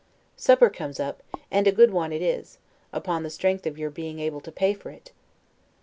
Supper comes up, and a good one it is, upon the strength of your being able to pay for it.